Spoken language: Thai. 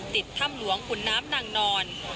ติดถ้ำหลวงขุนน้ำนางนอน